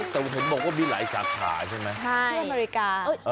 แต่เห็นบอกว่ามีหลายสาขาใช่ไหมที่อเมริกา